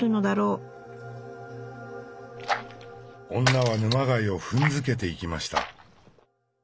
女は沼貝を踏んづけていきました。